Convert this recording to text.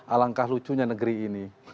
alangkah lucunya negeri ini